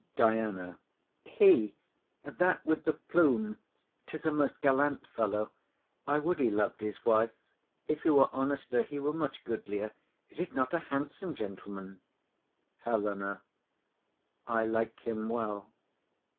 DIANA. He; That with the plume; 'tis a most gallant fellow. I would he lov'd his wife; if he were honester He were much goodlier. Is't not a handsome gentleman? HELENA. I like him well.